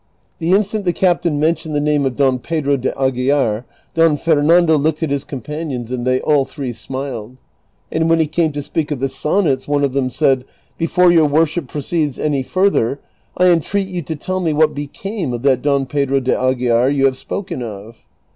The instant the captain mentioned the name of Don Pedro de Aguilar, Don Fernando looked at his companion,s and they all three smiled ; and when he came to speak of the sonnets one of them said, " Before your worship proceeds any further I entreat you to tell me what became of that Don Pedro de Aguilar you have spoken of."